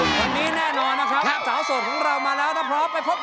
วันนี้แน่นอนนะครับ